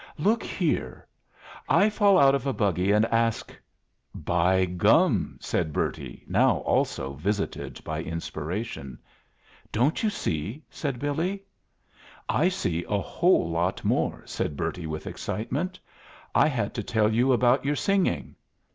Look here. I fall out of a buggy and ask " "By gum!" said Bertie, now also visited by inspiration. "Don't you see?" said Billy. "I see a whole lot more," said Bertie, with excitement. "I had to tell you about your singing."